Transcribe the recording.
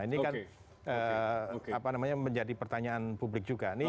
ini kan menjadi pertanyaan publik juga